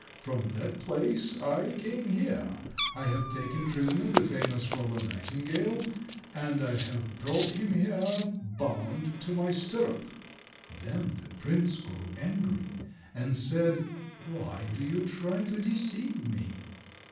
From that place I came here. I have taken prisoner the famous Robber Nightingale, and I have brought him here bound to my stirrup." Then the prince grew angry, and said— "Why do you try to deceive me?"